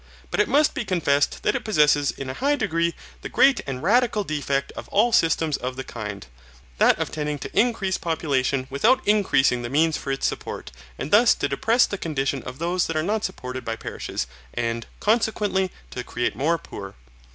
But it must be confessed that it possesses in a high degree the great and radical defect of all systems of the kind, that of tending to increase population without increasing the means for its support, and thus to depress the condition of those that are not supported by parishes, and, consequently, to create more poor.